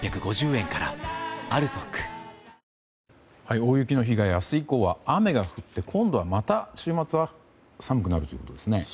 大雪の被害、明日以降は雨が降って、今度はまた週末は寒くなるということですね。